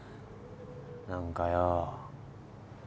何かよ。